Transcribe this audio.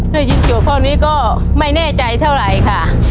ได้ยินโจทย์ข้อนี้ก็ไม่แน่ใจเท่าไหร่ค่ะ